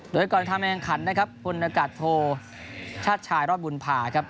โดยก่อนทำแข่งขันนะครับพลนากาศโทชาติชายรอดบุญภาครับ